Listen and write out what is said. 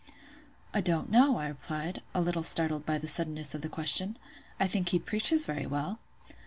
"I don't know," I replied, a little startled by the suddenness of the question; "I think he preaches very well."